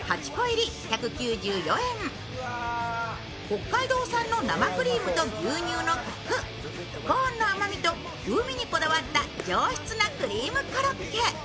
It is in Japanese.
北海道産の生クリームと牛乳のこく、コーンの甘みと風味にこだわった上質なクリームコロッケ。